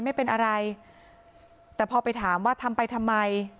ไม่เป็นอะไรแต่พอไปถามว่าทำไปทำไม